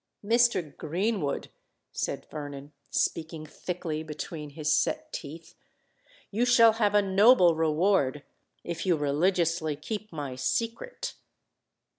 "Mr. Greenwood," said Vernon, speaking thickly between his set teeth, "you shall have a noble reward, if you religiously keep my secret."